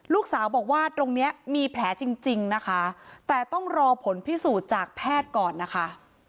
ลูกสาวบอกว่าตรงเนี้ยมีแผลจริงนะคะแต่ต้องรอผลพิสูจน์จากแพทย์ก่อนนะคะ